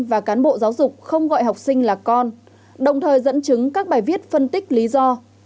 và cán bộ giáo dục không gọi học sinh là con đồng thời dẫn chứng các bài viết phân tích lý do